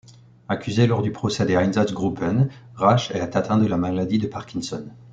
Accusé lors du procès des Einsatzgruppen, Rasch est atteint de la maladie de Parkinson.